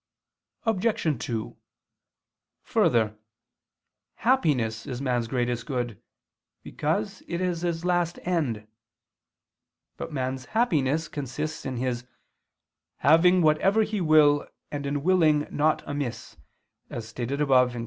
Obj. 2: Further, happiness is man's greatest good, because it is his last end. But man's Happiness consists in his "having whatever he will, and in willing naught amiss," as stated above (Q.